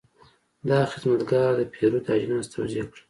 دا خدمتګر د پیرود اجناس توضیح کړل.